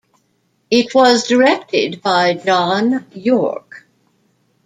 It was directed by John York.